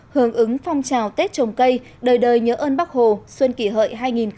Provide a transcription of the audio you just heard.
hưởng ứng phong trào tết trồng cây đời đời nhớ ơn bác hồ xuân kỷ hợi hai nghìn một mươi chín